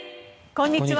こんにちは。